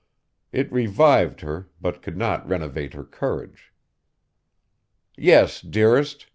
It revived her, but could not renovate her courage. 'Yes, dearest!